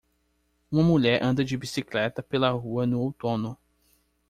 Uma mulher anda de bicicleta pela rua no outono